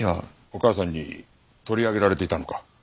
お母さんに取り上げられていたのか。